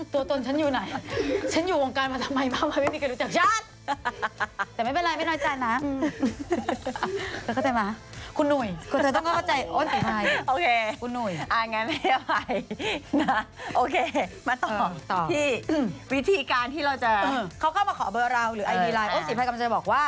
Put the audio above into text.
ตัวตนฉันอยู่ไหนฉันอยู่วงการมาทำไมมาไม่ได้รู้จักฉัน